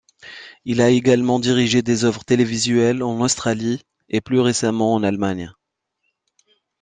Il a également dirigé des œuvres télévisuelles en Australie, et plus récemment, en Allemagne.